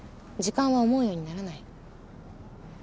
時間は思うようにならない。